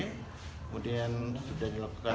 kemudian sudah dilakukan